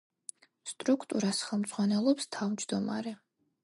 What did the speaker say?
სტრუქტურას ხელმძღვანელობს თავმჯდომარე.